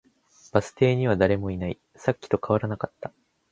バス停には誰もいない。さっきと変わらなかった。